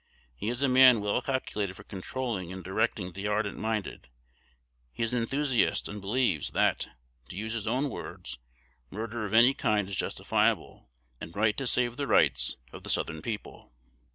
He is a man well calculated for controlling and directing the ardent minded: he is an enthusiast, and believes, that, to use his own words, 'murder of any kind is justifiable and right to save the rights of the Southern people.'